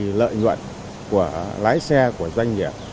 thì lợi nhuận của lái xe của doanh nghiệp